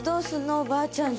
おばあちゃん家。